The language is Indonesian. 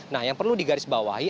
nah yang perlu digarisbawahi